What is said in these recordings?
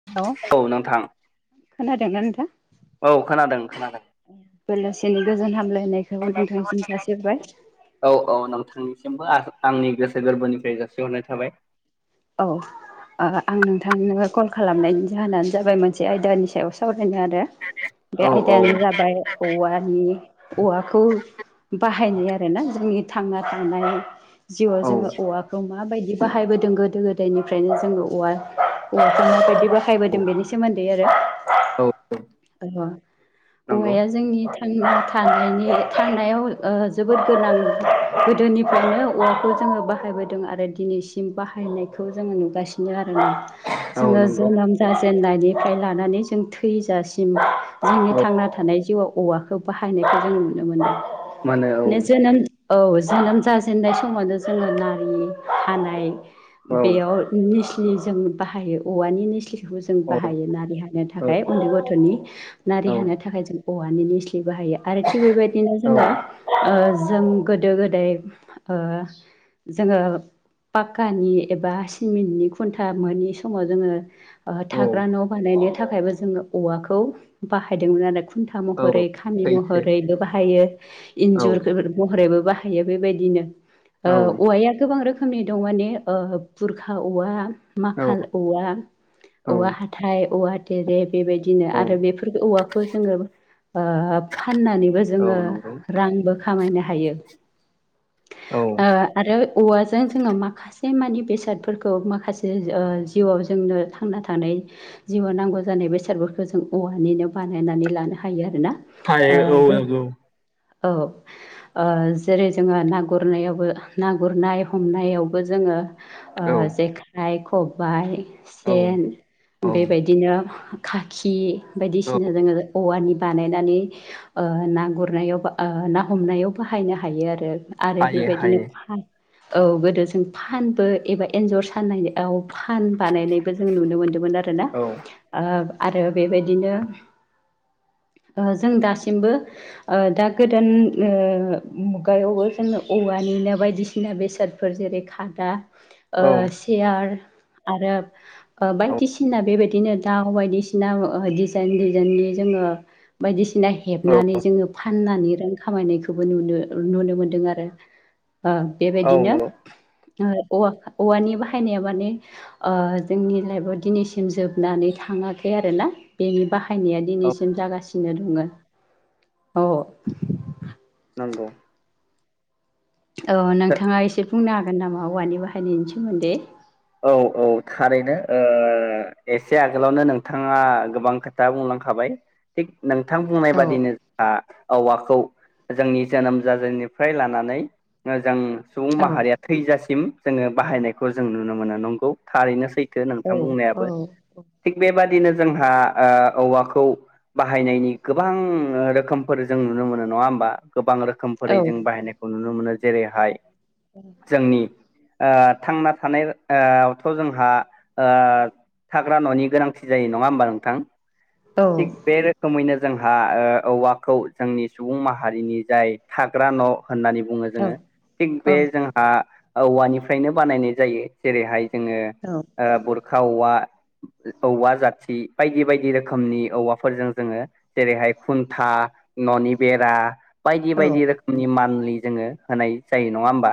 [unintelligible] औ नोंथां खोनादों ना नोंथां औ खोनादों खोनादों बेलासिनि गोजोन हामलायनायखौबो नोंथांनिसिम जासिहरबाय औ औ नोंथांनिसिमबो आंनि गोसो गोरबोनिफ्राय जासिहरनाय थाबाय औ ओ आं नोंथांनो कल खालामनायनि जाहोनानो जाबाय मोनसे आयदानि सायाव सावरायनो आरो औ बे औ आयदायानो जाबाय औवानि औवाखौ बाहायनाय आरोना जोंनि थांना थानाय जिउआव औ जोङो औवाखौ माबायदि बाहायबोदों गो दो गोदायनिफ्रायनो जोङो औवा औवाखौ बायदि बा फायबोदों औ बेनि सोमोन्दै औ आरो नंगौ औवाया जोंनि थांना थानायनि थांनायाव ओ जोबोद गोनां गोदोनिफ्रायनो औवाखौ जोङो बा हायबोदों आरो दिनैसिम बाहायनाय खौ जोङो नुगासिनो आरोना औ जोङो नंगौ जोनोम जा जेननायनिफ्राय लानानै जों थैजासिम जोंनि औ थांना थानाय जिउआव औवाखौ बाहायनायखौ जों नुनो मोनो मानो बे औ जोनोम औ जोनोम जाजेननाय समावनो जोङो नारि हानाय औ बेयाव निस्लि जों बाहायो औवानि निस्लि बेखौ जों औ बाहायो नारि हानो औ थाखाय उन्दै गथ'नि नारि हानो थाखाय जों औवानि बाहायो आरो थिग बेबायदिनो औ जोंना ओ जों गोदो गोदाय ओ जोङो पाक्कानि एबा सिमिन्टनि खुन्टा मोनि समाव जोङो ओ औ थाग्रा न' बानायनो थाखायबो जोङो औवाखौ बाहायदोंमोन आरो खुन्था औ महरै खामि सैथो महरैबो बाहायो औ इन्जुर महरैबो बाहायो हायो बेबायदिनो औ औवाया गोबां रोखोमनि दं माने ओ बुरखा औवा औ माखाल औवा औ औवा हाथाइ औवा थेरे बेबायदिनो आरो बेफोर औवाखौ जोङो ओ फाननानैबो औ जोङो नंगौ रांबो खामायनो हायो औ ओ आरो औवाजों जोङो माखासे से मानि बेसादफोरखौ माखासे ओ जिउआव जोंनो थांना थानाय जिउआव नांगौ जानाय बेसादफोरखौ जों औवानिनो बानायनानै लानो हायो आरोना आ हायो औ जे नंगौ औ ओ जेरै जोङो ना गुरनायावबो ना गुरनाय हमनायावबो ज औ जेखाइ खबाइ औ सेन औ बेबाय दिनो खाखि औ बायदिसिना जोङो औवानि बानायनानै ना गुरनायाव ना गुरनायाव नाहमनायाव बाहायनो हायो आरो आरो हायो बेबायदिनो हायो फा औ गोदो जों फानबो एबा एन्जर सानायाव फान बानायनायबो जों नुनो मोनदोंमोन आरोना औ आरो बेबायदिनो जों दासिमबो ओ दा गोदान मुगायावबो जोङो औवानि ना बायदिसिना बेसादफोर जेरै खादा औ सियार आरो औ बायदिसिना बेबायदिनो दाउ बायदिसिना डिजाइन डिजाइननि जोङो बायदिसिना औ हेबनानै जोङो फाननानै रां खामायनायखौबो नुनो नुनो मोनदों आरो औ बेबायदिनो नंगौ औवा औवानि बाहायनाया माने जोंनि लाइफआव दिनैसिम जोबनानै थाङाखै आरोना बेनि बाहायनाया औ दिनैसिम जागासिनो दङ औ नंगौ अ नोंथाङा एसे बुंनो हागोन नामा औवानि बाहायनायनि सोमोन्दै औ औ थारैनो ओ एसे आगोलावनो नोंथाङा गोबां खोथा खोथा बुंलांखाबाय थिग नोंथां बुंनाय औ बादिनो आ औवाखौ जोंनि जोनोम जाजेननिफ्राय लानानै जों सुबुं औ माहारिया थैजासिम जोङो बाहायनायखौ जों नुनो मोनो नंगौ थारैनो सै थो औ नोंथांम औ बुंनायाबो थिग बेबादिनो जोंहा औवाखौ बाहायनायनि गोबां रोखोमफोर जों नुनो मोनो नङा होमबा गोबां रोखोम औ रोखोमफोरै जों बाहायनायखौ नुनो मोनो जेरैहाय औ जोंनि आ थांना थानाय आ थ जोंहा आ थाग्रा न'नि गोनांथि जायो नङा होमबा नोंथां औ थिख बे रोखोम रोखोमैनो जोंहा औवाखौ जोंनि सुबुं माहारिनि जाय थाग्रा न' होननानै बुङो औ जोङो थिग औ बे जोंङो आ जोंहा औवानिफ्रायनो बानायनाय जायो जेरैहाय जोङो औ बुरखा औवा औवा जाथि बायदि बायदि रोखोम खोमनि औवाफोरजों जोङो जेरैहाय खुन्था न'नि बेरा बायदि औ बायदि रोखोमनि मान्लि जोङो होनाय जायो नङा होमबा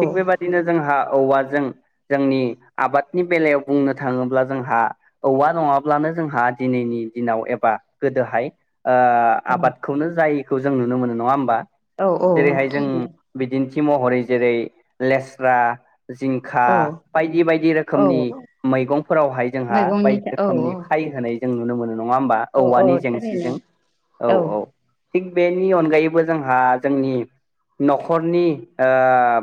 थिग बेबादि नो जोंहा औवाजों जोंनि आबादनि बेलायाव बुंनो थाङोब्ला जोंहा औवा नङाब्लानो जोंहा दिनैनि दिनाव एबा ओ गोदोहाय आबादखौनो जायै खौ जों नुनो मोनो नङा होमबा औ औ जेरैहाय जों थारैनो बिदिन्थि महरै जेरै लेस्रा जिंखा औ बायदि बायदि औ रोखोमनि मैगंफोरावहाय जोंहा मैगंनि बायदि औ रोखोमनि खाय होनाय जों नुनो मोनो नङा होमबा औ औ औवानि थारैनो जेंसिजों औ औ थिग बेनि अनगायैबो जोंहा जोंनि न'खरनि ओ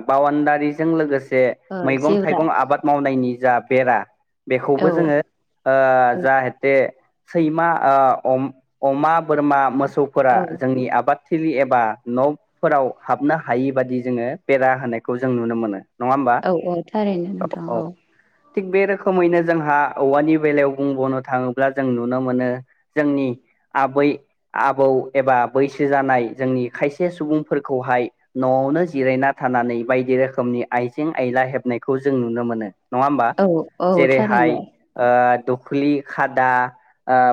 बावनदारिजों लोगोसे ओ मैगं जेवरा थाइगं आबाद औ मावनायनि जा बेरा औ बेखौबो जोङो ओ जाहाते सैमा अमा बोरमा मोसौफोरा औ जोंनि आबाद थिलि एबा न'फोराव हाबनो हायि बादि जोङो बेरा होनायखौ जों नुनो मोनो नङा होमबा औ औ थारैनो नोंथां औ औ थिग बे रोखोमैनो जोंहा औवानि बेलायाव बुंबावनो थाङो ब्ला जों नुनो मोनो जोंनि आबै आबौ एबा बैसो जानाय जोंनि खायसे सुबुंफोरखौहाय न'आवनो जिरायना थानानै बायदि रोखोमनि आइजें आयला हेबनायखौ जों नुनो मोनो नङा होमबा औ औ जेरैहाय थारैनो ओ दख्लि खादा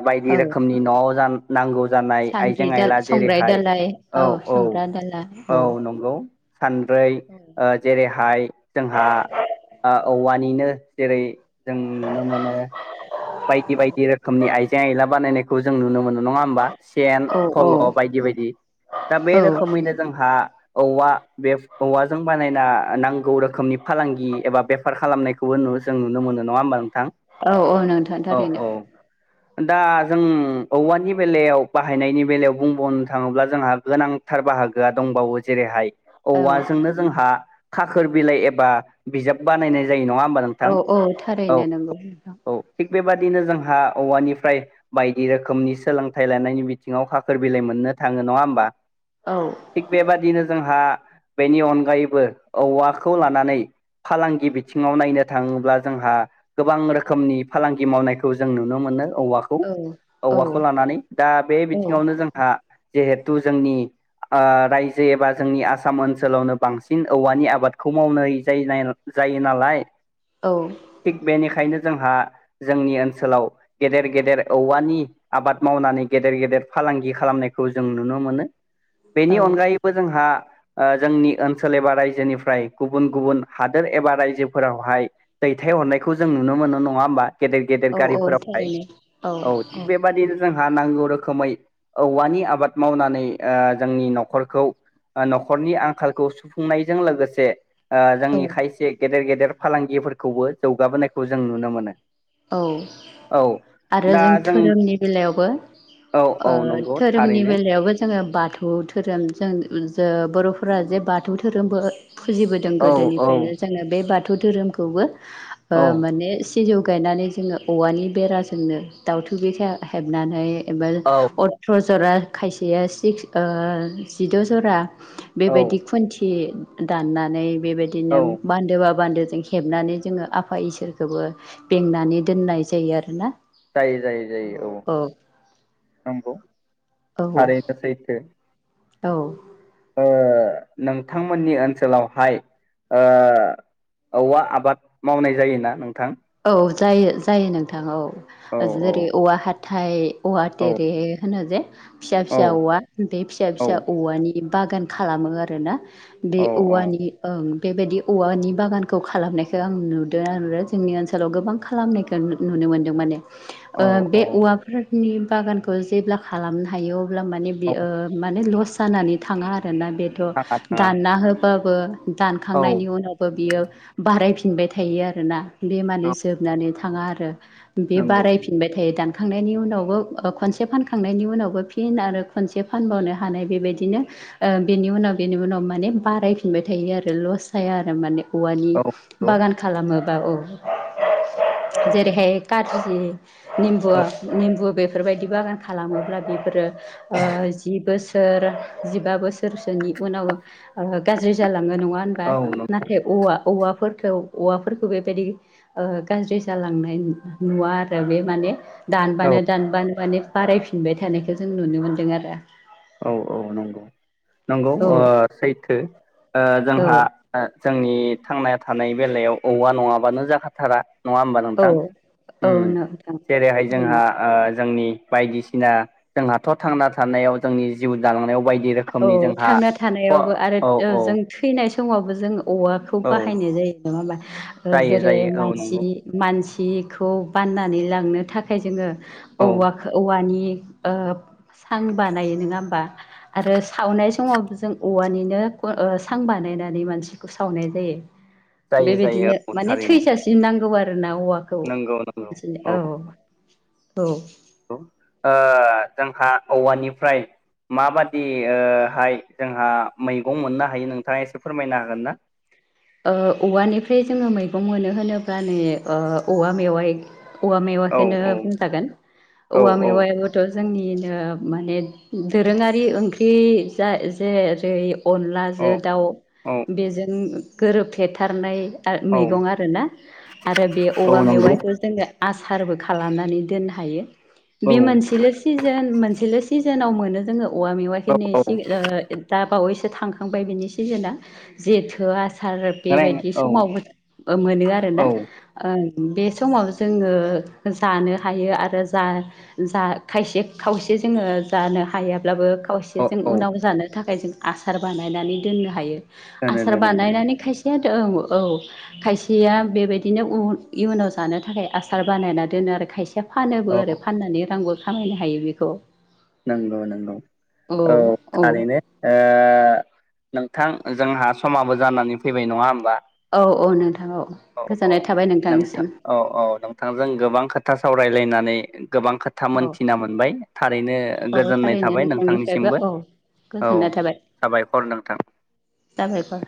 बायदि औ रोखोमनि न'आव जा नांगौ जानाय सानद्रि आइजें दा आइला संग्राय जेरैहाय दालाय औ औ संग्रा दाला औ नंगौ सानद्रै औ ओ जेरैहाय जोंहा ओ औवानिनो जेरै जों नुनो मोनो बायदि बायदि रोखोमनि आइजें आयला बानायनायखौ जों नुनो मोनो नङा होमबा सेन औ औ फलब बायदि बायदि दा बे औ रोखोमैनो जोंहा औवा बे औवाजों बानायना नांगौ रोखोमनि फालांगि एबा बेफार खालामनायखौबो नु जों नुनो मोनो नङा होमबा नोंथां औ औ नोंथां औ थारैनो औ दा जों औवानि बेलायाव बाहायनायनि बेलायाव बुंबावनो थाङोब्ला जोंहा गोनां थार बाहागोआ दंबावो जेरैहाय औ औवाजोंनो जोंहा खाखोर बिलाइ एबा बिजाब बानायनाय जायो नङा होमबा नों औ औ थारैनो नंगौ नोंथां औ थिग बेबादिनो जोंहा औवानिफ्राय बायदि रोखोमनि सोलोंथाइ लानायनि बिथिङाव खाखोर बिलाइ मोननो थाङो नङा होमबा औ थिग बेबादिनो जोंहा बेनि अनगायैबो औवाखौ लानानै फालांगि बिथिङाव नायनो थाङोब्ला जोंहा गोबां रोखोम रोखोमनि फालांगि मावनायखौ जों नुनो मोनो औवाखौ औ खौ औ औवाखौ लानानै दा बे बिथिङावनो जोंहा जिहेथु जोंनि ओ रायजो एबा जोंनि आसाम ओनसोलावनो बांसिन औवानि आबादखौ मावनो जाय ना जायो नालाय औ थिग बेनिखायनो जोंहा जोंनि ओनसोलाव गेदेर गेदेर औवानि आबाद मावनानै गेदेर गेदेर फालांगि खालामनायखौ जों नुनो मोनो औ बेनि अनगायैबो बो जोंहा ओ जोंनि ओनसोल एबा रायजोनिफ्राय गुबुन गुबुन हादोर एबा रायजोफोरावहाय दैथायहरनायखौ जों नुनो मोनो नङा होमबा गेदेर गेदेर औ गारिफोरावहाय थारैनो औ थिग बेबादि जोंहा नांगौ रोखोमै औवानि आबाद मावनानै ओ जोंनि न'खरखौ ओ न'खरनि आंखालखौ सुफुंनायजों लोगोसे ओ जोंनि औ खायसे गेदेर गेदेर फालांगिफोरखौबो जौगाबोनायखौ जों नुनो मोनो औ औ आरो जों धोरोमनि बेलायावबो औ ओ औ नंगौ धोरोमनि थारैनो बेलायावबो जोङो बाथौ धोरोम जों ज बर'फोरा जे बाथौ धोरोमबो फुजिबोदों औ औ गोदोनिफ्रायनो जोङो बे बाथौ धोरोमखौबो ओ औ माने सिजौ गायनानै जोङो औवानि बेराजोंनो दाउथु बिखा हेबनानै एबा अ [unintelligible] जरा खायसेया सिक्स ओ जिद' जरा औ बेबायदि खुन्थि दाननानै बेबायदिनो औ बान्दोबा बान्दोजों हेबनानै जोङो आफा इसोरखौबो बेंनानै दोननाय जायो आरोना जाय जायो जायो औ नंगौ औ थारैनो सैथो औ नोंथांमोननि ओनसोलावहाय ओ औवा आबाद मावनाय जायोना नोंथां औ जायो जायो नोंथां औ जेरै औवा हाथाय औवा औ देरे होनो जे फिसा औ फिसा औवा बे फिसा औ फिसा औवानि बागान खालामो आरोना बे औ औवानि ओं बेबायदि औवानि बागानखौ खालामनायखौ आं नुदों आरो जोंनि ओन सोलाव गोबां खालामनायखौ नुनो मोनदों माने औ ओ बे औ औवाफोर नि बागानखौ जेब्ला खालामनो हायो अब्ला माने औ बेयो माने लस जानानै थाङा आरोना बेथ' थाङा थाङा दानना होबाबो औ दानखांनायनि उनाव बियो बारायफिनबाय थायो आरोना बे माने औ जोबनानै थाङा आरो बे नंगौ बारायफिनबाय थायो दानखांनायनि उनावबो खनसे फानखांनायनि उनावबो फिन आरो खनसे फानबावनो हानाय बेबायदिनो ओ बेनि उनाव बेनि उनाव माने बारायफिनबाय थायो आरो लस जाया आरो माने औवानि औ औ बागान खालामोबा औ जेरैहाय कारजि निमबु निमबु बेफोरबायदि बागान खालामोब्ला बेफोरो जि बोसोर बोसोर जिबा बोसोरसोनि उनाव गाज्रि जालाङो नङा होनबा औ नाथाय औवा औवाफोरखौ औवाफोरखौ बेबायदि ओ गाज्रि जालांनाय नुवा आरो बे माने दानबानो दानबानो माने बारायफिनबाय थानायखौ जों नुनो मोनदों आरो औ औ नंगौ नंगौ औ ओ सैथो ओ जोंहा औ जोंनि थांना थानाय बेलायाव औवा नङाबानो जाखाथारा नङा होमबा औ नोंथां औ उम नोंथां जेरैहाय जोंहा थारैनो ओ जोंनि बायदिसिना जोंहाथ थांना थानायाव जोंनि जिउ दालांनायाव बाय औ थांना थानायावबो आरो औ औ जों थैनाय समावबो जों औवाखौ औ बाहायनाय जायो नङा होमबा जायो जेरै जायो औ मानसि नंगौ मानसिखौ बाननानै लांनो थाखाय जोङो औ औवा औवानि ओ सां बानायो नोङा होमबा आरो सावनाय समाव जों औवानिनो सां बानायनानै मानसिखौ सावनाय जायो जायो जायो बेबायदिनो औ माने थारैनो थैसा दि नांगौ आरोना औवाखौ नंगौ नंगौ औ औ ओ जोंहा औवानिफ्राय माबादिहाय जोंहा मैगं मोननो हायो नोंथाङा एसे फोरमायनो हागोन ना औवानिफ्राय जोङो मैगं मोनो होनोब्ला नै औवा मेवाय औवा औ मेवखौनो बुंजागोन औ औवा मेवायाव थ' जोंनिनो माने दोरोङारि ओंख्रि जेरै अ औ लाजों दाउ औ बेजों गोरोबफेथारनाय औ मैगं आरोना आरो बे औ औवा नंगौ मेवाइखौ जोङो आसारबो खालामनानै दोननो हायो औ बे मोनसेल' सिजोन मोनसेल' सिजोनाव मोनो जोङो औवा मेवाखिनि ओ दा बावैसो थांखांबाय बिनि सिजोना जेथो आसार बेबायदि औ औ समावबो मोनो आरो ना औ बे समाव जोङो जानो हायो आरो जा जा खायसे खावसे जोङो जानो हायाब्लाबो खावसे औ जों औ उनाव जानो थाखाय जों आसार बानायनानै दोननो हायो दोनो आसार दोनो दोनो बानायनानै खायसेयाथ औ औ खायसेया बेबायदिनो इयुनाव जानो थाखाय आसार बानायना दोनो आरो खायसेया फानोबो औ आरो फाननानै रांबो खामायनो हायो बेखौ नंगौ नंगौ औ थारैनो नोंथां जोंहा समाबो जानानै फैबाय नङा होमबा औ औ नोंथां औ गोजोननाय थाबाय नोंथां नोंथांनिसिम औ औ नोंथांजों गोबां खोथा सावरायलायनानै गोबां खोथा औ मोनथिना मोनबाय थारैनो ओ औ गोजोननाय थारैनो थाबाय नोंथांनिफ्रायबो नोंथांनिसिमबो औ औ गोजोननाय साबायखर नोंथां दा बेफोर